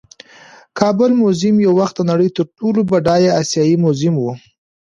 د کابل میوزیم یو وخت د نړۍ تر ټولو بډایه آسیايي میوزیم و